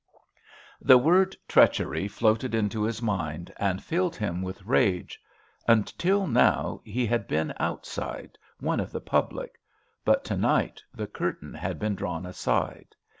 The word "treachery" floated into his mind, and filled him with rage. Until now he had been outside—one of the public. But to night the curtain had been drawn aside.